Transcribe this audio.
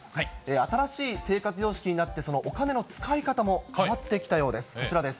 新しい生活様式になって、お金の使い方も変わってきたようです。